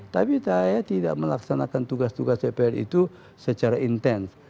tapi saya tidak melaksanakan tugas tugas dpr itu secara intens